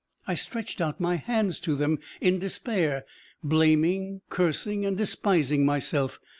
I stretched out my hands to them in despair, blaming, cursing and despising myself.